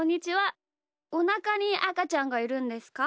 おなかにあかちゃんがいるんですか？